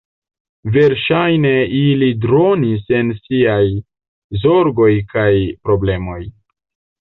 Verŝajne ili dronis en siaj zorgoj kaj problemoj.